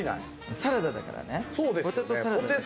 サラダだからね。